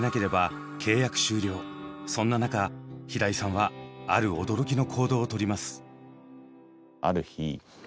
そんな中平井さんはある驚きの行動をとります。